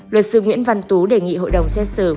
luật sư nguyễn văn tố đề nghị hội đồng xét xử